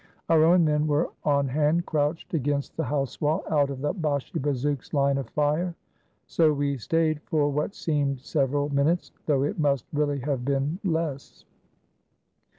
Our own men were on hand, crouched against the house wall, out of the Bashi bazouk's line of fire. So we stayed, for what seemed several minutes, though it must really have been less.